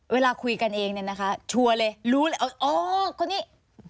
เวลาคุยกันเองเนี่ยนะคะชัวร์เลยรู้เลยอ๋อคนนี้